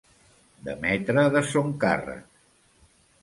Demetre de son càrrec.